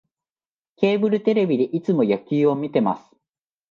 ケーブルテレビでいつも野球を観てます